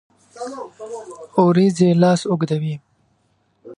اوریځې لاس اوږدوي